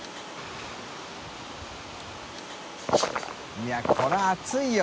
いこれは暑いよ。